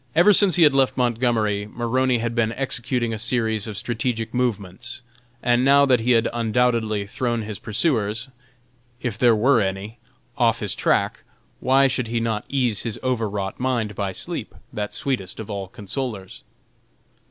Ever since he had left Montgomery, Maroney had been executing a series of strategic movements, and now that he had undoubtedly thrown his pursuers, if there were any, off his track, why should he not ease his overwrought mind by sleep, that sweetest of all consolers?